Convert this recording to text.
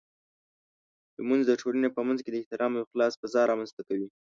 لمونځ د ټولنې په منځ کې د احترام او اخلاص فضاء رامنځته کوي.